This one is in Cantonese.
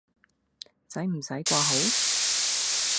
洗唔洗掛號？